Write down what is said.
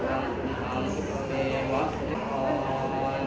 ทุติยังปิตพุทธธาเป็นที่พึ่ง